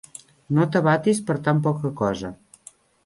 No t'abatis per tan poca cosa.